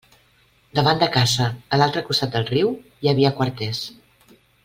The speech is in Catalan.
Davant de casa, a l'altre costat de riu, hi havia quarters.